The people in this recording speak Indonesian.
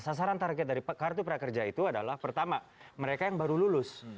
sasaran target dari kartu prakerja itu adalah pertama mereka yang baru lulus